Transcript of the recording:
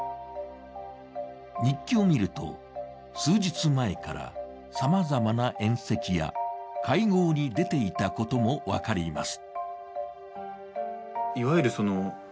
日記を見ると、数日前からさまざまな宴席や会合に出ていたことも分かります。